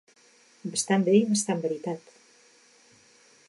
Bastant bé i bastant veritat.